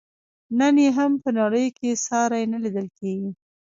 نن یې هم په نړۍ کې ساری نه لیدل کیږي.